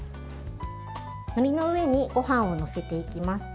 のりの上にごはんを載せていきます。